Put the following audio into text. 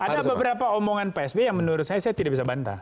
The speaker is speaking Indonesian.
ada beberapa omongan pak s b yang menurut saya saya tidak bisa bantah